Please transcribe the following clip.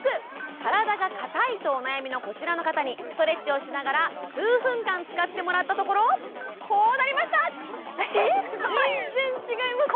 体がかたいとお悩みのこちらの方に、ストレッチをしながら数分間使ってもらったところ、全然違いますね。